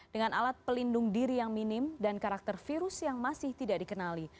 dengan alat pelindung diri yang minim dan karakter virus yang masih tidak dikenali